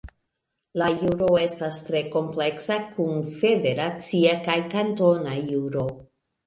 La juro estas tre kompleksa kun federacia kaj kantona juro.